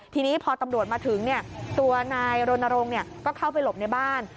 ทีนี้พอตำรวจมาถึงตัวนายรณรงค์ก็เข้าไปหลบในบ้าน